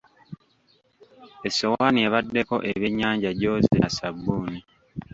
Essowaani ebaddeko ebyennyanja gyoze na ssabbuuni.